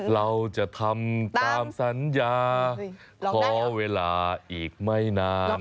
เราจะทำตามสัญญาขอเวลาอีกไม่นาน